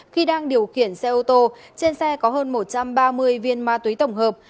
khi đang điều khiển xe ô tô trên xe có hơn một trăm ba mươi viên ma túy tổng hợp